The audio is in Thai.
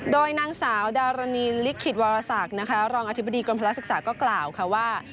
โดยนางสาวดารณีลิคิทวารสักรองอธิบธีกรกภลภาษศึกษาก็กล่าวว่า